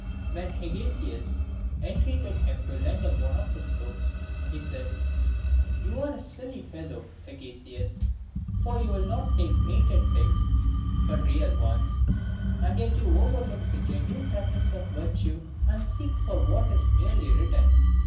When Hegesias en treated him to lend him one of his books, he said, " You are a silly fellow, Hegesias, for you will not take painted figs, but real ones ; and yet you overlook the genuine practice of virtue, and seek for what is merely written."